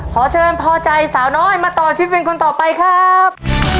ขอเชิญพอใจสาวน้อยมาต่อชีวิตเป็นคนต่อไปครับ